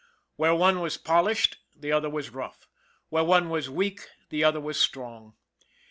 Where one was pol ished the other was rough; where one was weak the other was strong.